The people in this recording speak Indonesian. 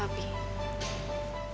tapi dia udah pulang